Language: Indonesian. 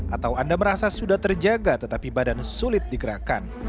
atau anda merasa sudah terjaga tetapi badan sulit dikerahkan